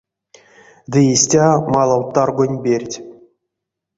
Ды истя — малав таргонь перть.